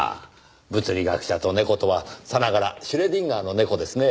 物理学者と猫とはさながらシュレディンガーの猫ですねぇ。